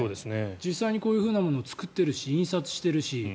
実際にこういうものを作ってるし印刷してるし。